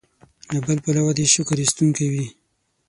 له بل پلوه دې شکر ایستونکی وي.